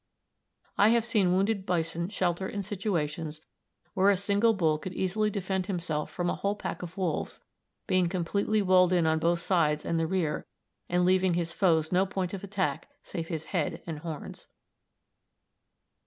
I have seen wounded bison shelter in situations where a single bull could easily defend himself from a whole pack of wolves, being completely walled in on both sides and the rear, and leaving his foes no point of attack save his head and horns.